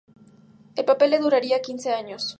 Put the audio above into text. El papel le duraría quince años.